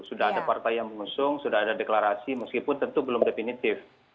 sudah ada partai yang mengusung sudah ada deklarasi meskipun tentu belum definitif